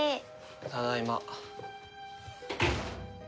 ただいま。